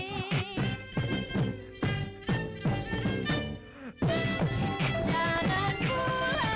jangan pula jalan merah